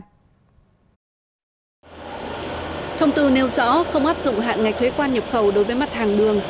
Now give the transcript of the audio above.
thông tư nêu rõ không áp dụng hạn ngạch thuế quan nhập khẩu đối với mặt hàng đường